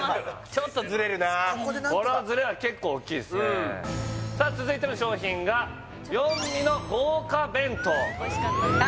ちょっとズレるなこのズレは結構おっきいっすねさっ続いての商品が四味の豪華弁当おいしかったあ